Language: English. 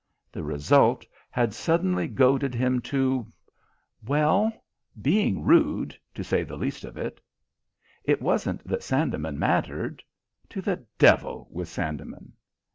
The result had suddenly goaded him to well, being rude, to say the least of it. It wasn't that Sandeman mattered. To the devil with Sandeman!